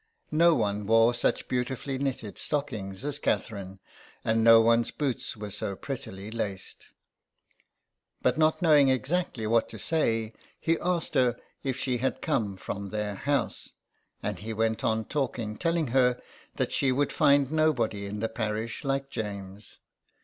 No one wore such beautifully knitted stockings as Catherine, and no one's boots were so prettily laced. But not knowing exactly what to say, he asked 124 THE EXILE. her if she had come from their house, and he went on talking, telling her that she would find nobody in the parish like James.